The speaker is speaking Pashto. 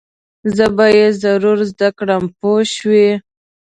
زه به یې ضرور زده کړم پوه شوې!.